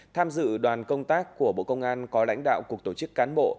tham dự đoàn công tác của bộ công an có lãnh đạo cục tổ chức cán bộ